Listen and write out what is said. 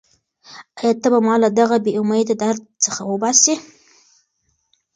ایا ته به ما له دغه بېامیده درد څخه وباسې؟